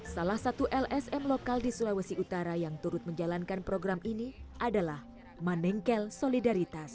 salah satu lsm lokal di sulawesi utara yang turut menjalankan program ini adalah manengkel solidaritas